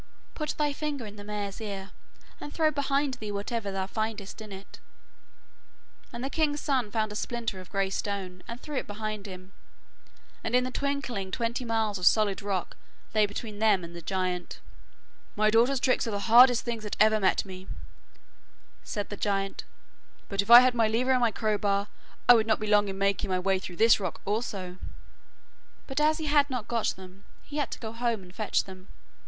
'Put thy finger in the mare's ear and throw behind thee whatever thou findest in it,' and the king's son found a splinter of grey stone, and threw it behind him, and in a twinkling twenty miles of solid rock lay between them and the giant. 'My daughter's tricks are the hardest things that ever met me,' said the giant, 'but if I had my lever and my crowbar, I would not be long in making my way through this rock also,' but as he had got them, he had to go home and fetch them.